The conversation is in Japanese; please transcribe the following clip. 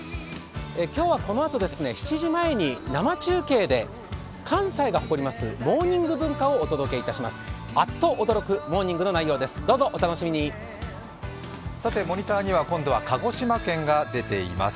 今日はこのあと７時前に生中継で関西が誇りますモーニング文化をお伝えします。